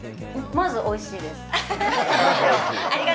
まずおいしいです。